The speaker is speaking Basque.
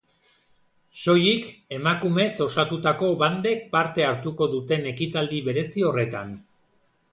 Soilik emakumez osatutako bandek parte hartuko duten ekitaldi berezi horretan.